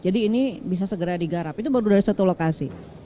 jadi ini bisa segera digarap itu baru dari satu lokasi